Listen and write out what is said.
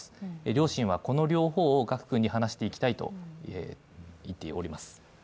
両親は、この両方を賀久君に話していきたいと言っております。